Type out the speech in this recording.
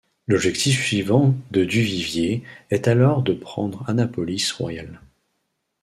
L'objectif suivant de Du Vivier est alors de prendre Annapolis Royal.